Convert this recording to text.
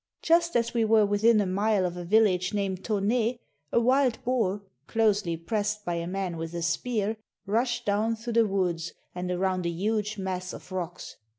Just as we were within a mile of a village named Toné, a wild boar, closely pressed by a man with a spear, rushed down through the woods, and around a huge mass of rocks.